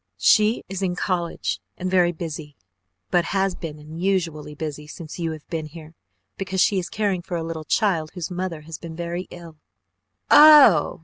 "She is in college and very busy, but has been unusually busy since you have been here because she is caring for a little child whose mother has been very ill." "Oh!